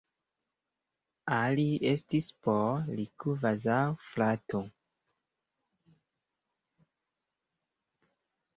Ali estis por li kvazaŭ frato.